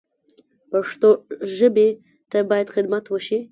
پښتو ژبې ته باید خدمت وشي